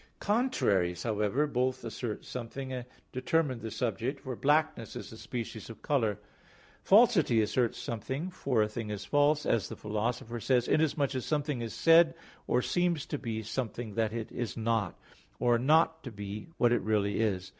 Contraries, however, both assert something and determine the subject, for blackness is a species of color. Falsity asserts something, for a thing is false, as the Philosopher says (Metaph. iv, 27), inasmuch as something is said or seems to be something that it is not, or not to be what it really is.